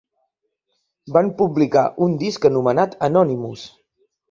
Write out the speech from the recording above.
Van publicar un disc anomenat "Anonymous".